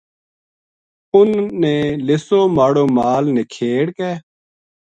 اُنھ نے لِسو ماڑو مال نکھیڑ کے